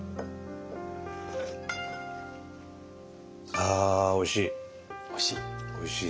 ああおいしい。